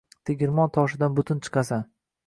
«Tegirmon toshidan butun chiqasan»